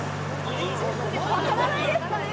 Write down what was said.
分からないですよね？